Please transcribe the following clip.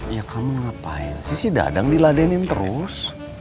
ya kamu ngapain sih dadang diladenin terus